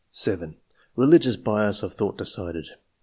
'' 7. " Eeli gious bias of thought decided."